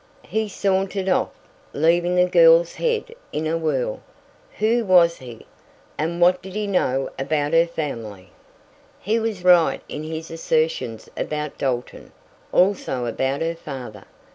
He sauntered off, leaving the girl's head in a whirl. Who was he, and what did he know about her family? He was right in his assertions about Dalton, also about her father.